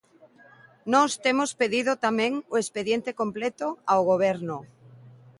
Nós temos pedido tamén o expediente completo ao Goberno.